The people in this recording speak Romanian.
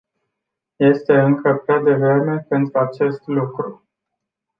Este încă prea devreme pentru acest lucru.